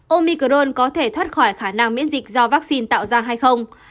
omicron có thể thoát khỏi khả năng miễn dịch do vaccine tạo ra hay không